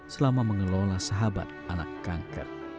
selama mengelola sahabat anak kanker